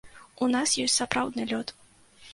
У нас ёсць сапраўдны лёд.